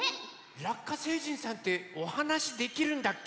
ラッカ星人さんっておはなしできるんだっけ？